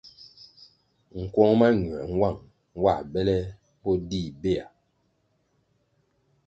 Nkwong mañuē nwang nwā bele bo dih béa.